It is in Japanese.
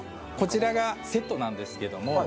こちらがセットなんですけども。